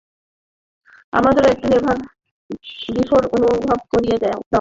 আমাদেরও একটু never, before অনুভব করিয়ে দাও।